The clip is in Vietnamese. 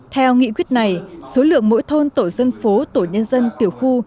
theo nghị quyết này số lượng mỗi thôn tổ dân phố tổ nhân dân tiểu khu